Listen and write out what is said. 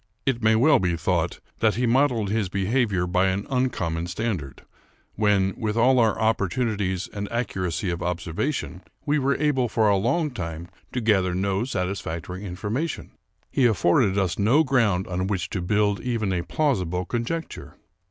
It may well be thought that he modeled his behavior by an uncommon standard, when, with all our opportunities and accuracy of observation, we 243 Avicrican Mystery Stories were able for a long time to gather no satisfactory informa tion. He afforded us no ground on which to build even a plausible conjecture.